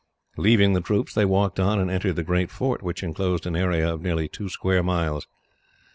Leaving the troops, they walked on and entered the great fort, which enclosed an area of nearly two square miles.